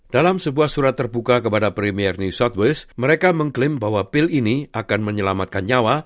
dalam sebuah surat terbuka kepada premier new south waste mereka mengklaim bahwa pil ini akan menyelamatkan nyawa